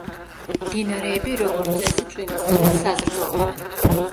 მდინარეები როგორც წესი წვიმის წყლით საზრდოობენ.